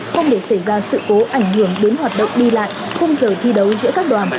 không để xảy ra sự cố ảnh hưởng đến hoạt động đi lại khung giờ thi đấu giữa các đoàn